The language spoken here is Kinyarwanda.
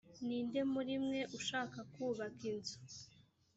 ni nde muri mwe ushaka kubaka inzu